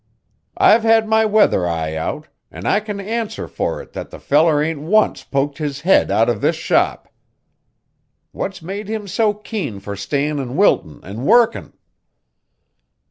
I've had my weather eye out, an' I can answer for it that the feller ain't once poked his head out of this shop. What's made him so keen fur stayin' in Wilton an' workin'?"